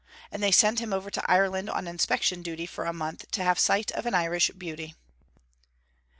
And they sent him over to Ireland on inspection duty for a month to have sight of an Irish Beauty....